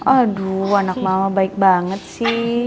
aduh anak mama baik banget sih